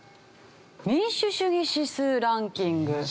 民主主義指数ランキング。